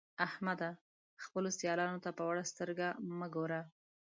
احمده! خپلو سيالانو ته په وړه سترګه مه ګوه.